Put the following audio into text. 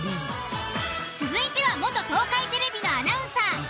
続いては元東海テレビのアナウンサー